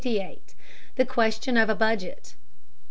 THE QUESTION OF A BUDGET.